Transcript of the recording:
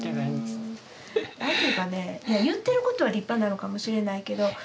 いや言ってることは立派なのかもしれないけど。